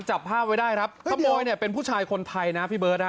จับภาพไว้ได้ครับฮ่ะเดี๋ยวเฮ้ยโมยเนี่ยเป็นผู้ชายคนไทยนะพี่เบิร์ตอะ